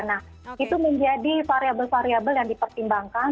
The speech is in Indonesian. nah itu menjadi variabel variabel yang dipertimbangkan